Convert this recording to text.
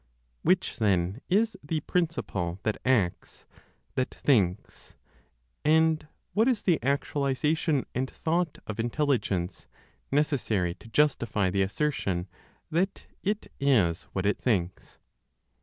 Which then is the principle that acts, that thinks, and what is the actualization and thought of Intelligence, necessary to justify the assertion that it is what it thinks?